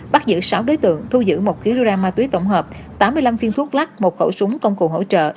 bắt giữ sáu đối tượng thu giữ một kg ma túy tổng hợp tám mươi năm phiên thuốc lắc một khẩu súng công cụ hỗ trợ